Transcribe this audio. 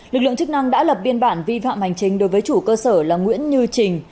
lực lượng chức năng đã lập biên bản vi phạm hành trình đối với chủ cơ sở là nguyễn như trình